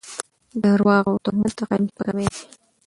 درواغ او تهمت د قلم سپکاوی دی.